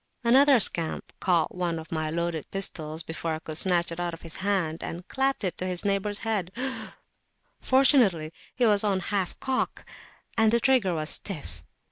Another scamp caught up one of my loaded pistols before I could snatch it out of his hand, and clapped it to his neighbour's head; fortunately, it was on half cock, and the trigger was stiff.